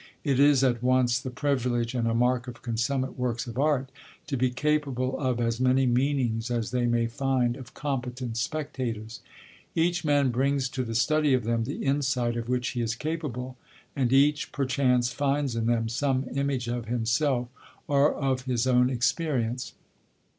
It is at once the privilege and a mark of consummate works of art to be capable of as many meanings as they may find of competent spectators. Each man brings to the study of them the insight of which he is capable; and each, perchance, finds in them some image of himself or of his own experience.